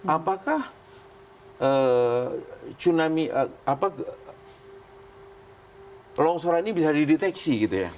apakah longsoran ini bisa dideteksi